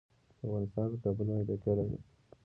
افغانستان په کابل باندې تکیه لري.